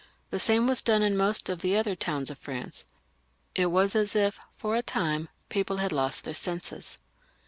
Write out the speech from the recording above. The same was done in most of the other towns of France. It was as if for a time people had lost their senses.